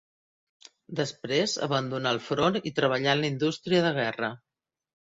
Després abandonà el front i treballà en la indústria de guerra.